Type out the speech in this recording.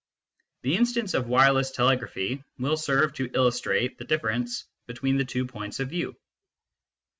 The instance of wireless telegraphy will serve to illus trate the difference between the two points of view.